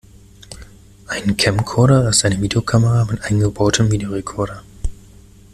Ein Camcorder ist eine Videokamera mit eingebautem Videorekorder.